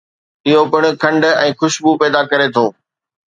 اهو پڻ کنڊ ۽ خوشبو پيدا ڪري ٿو